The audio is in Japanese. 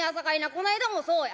この間もそうや。